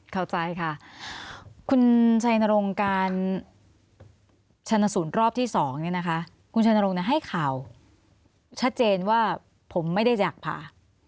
เข้าใจค่ะคุณชัยนรงการชนสูตรรอบที่๒เนี่ยนะคะคุณชัยนรงค์ให้ข่าวชัดเจนว่าผมไม่ได้อยากผ่า